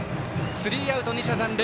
スリーアウト、２者残塁。